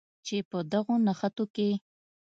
چې په دغو نښتو کې